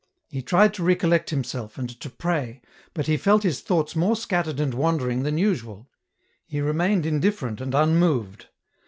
He tried to recollect himself, and to pray, but he felt his thoughts more scattered and wandering than usual ; he remained indifferent and unmoved.